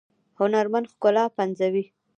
هنرمند ښکلا پنځوي